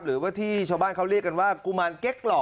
หรือว่าที่ชาวบ้านเขาเรียกกันว่ากุมารเก๊กหล่อ